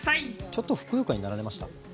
ちょっとふくよかになられました？